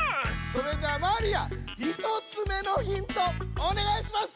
それではマリア１つ目のヒントおねがいします！